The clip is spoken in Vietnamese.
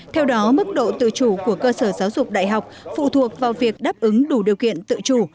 theo đó mức độ tự chủ của cơ sở giáo dục đại học phụ thuộc vào việc đáp ứng đủ điều kiện tự chủ